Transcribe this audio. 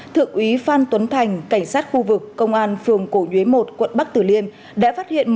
thượng úy phan tuấn thành cảnh sát khu vực công an phường cổ nhuế một quận bắc tử liêm